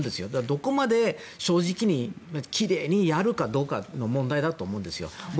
どこまで正直にきれいにやるかどうかの問題だと思うんですよ。